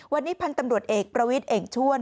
วันนี้พันธุ์ตำรวจเอกประวิทย์เอกชวน